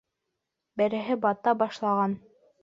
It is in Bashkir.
Береһе бата башлаған.